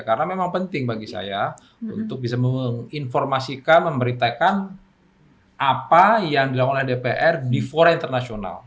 karena memang penting bagi saya untuk bisa menginformasikan memberitakan apa yang dilakukan oleh dpr di fora internasional